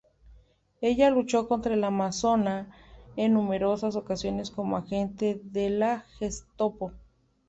Ella luchó contra la Amazona en numerosas ocasiones como agente de la Gestapo.